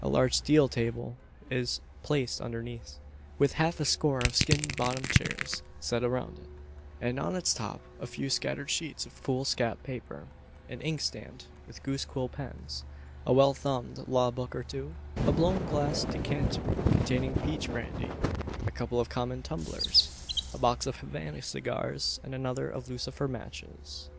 A large deal table is placed underneath, with half a score of skin bottomed chairs set around it, and on its top a few scattered sheets of foolscap paper, an inkstand with goose quill pens, a well thumbed law book or two, a blown glass decanter containing peach brandy, a couple of common tumblers, a box of Havannah cigars, and another of lucifer matches.